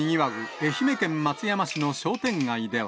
愛媛県松山市の商店街では。